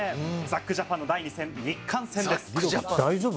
ザックジャパンの第２戦日韓戦です。